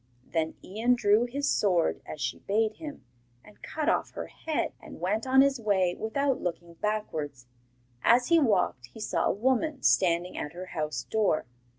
Then Ian drew his sword as she bade him, and cut off her head, and went on his way without looking backwards. As he walked he saw a woman standing at her house door.